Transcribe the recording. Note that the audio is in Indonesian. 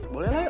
boleh lah yuk